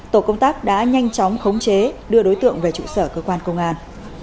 tổ công tác đã nhanh chóng khống chế đưa đối tượng về trụ sở cơ quan công an